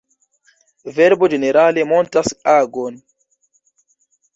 Verbo ĝenerale montras agon.